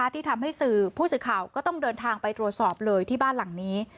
ที่ทำให้สื่อผู้สื่อข่าวก็ต้องเดินทางไปตรวจสอบเลยที่บ้านหลังนี้